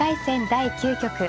第９局。